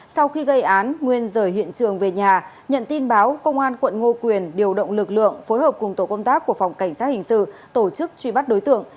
sau khi gây án nguyên rời hiện trường về nhà nhận tin báo công an quận ngô quyền điều động lực lượng phối hợp cùng tổ công tác của phòng cảnh sát hình sự tổ chức truy bắt đối tượng